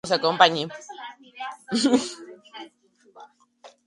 El vinilo fue planchado en un color limo verde.